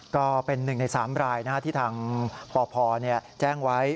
ก็เป็น๑ใน๓รายที่ทางปพแจ้งไว้